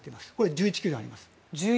１１球団あります。